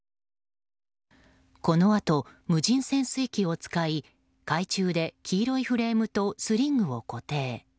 このあと、無人潜水機を使い海中で黄色いフレームとスリングを固定。